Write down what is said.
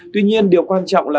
tuy nhiên điều quan trọng là